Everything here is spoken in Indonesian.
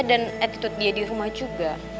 dan attitude dia di rumah juga